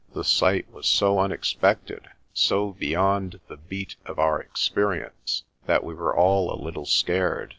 The sight was so unexpected, so beyond the beat of our experience, that we were all a little scared.